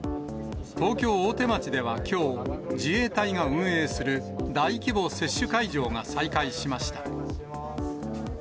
東京・大手町ではきょう、自衛隊が運営する大規模接種会場が再開しました。